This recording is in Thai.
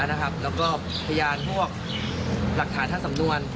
แล้วก็พยานพวกหลักฐานทางสำนวน